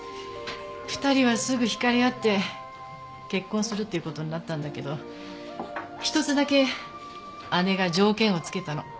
２人はすぐ惹かれ合って結婚するっていう事になったんだけど一つだけ姉が条件を付けたの。